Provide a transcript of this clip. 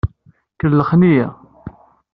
Kellxen-iyi.